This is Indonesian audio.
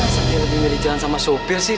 sakitnya lebih merijalan sama sopir sih